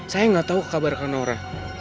saya gak tahu kabar kak nora